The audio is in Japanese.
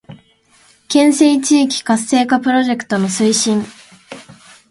県西地域活性化プロジェクトの推進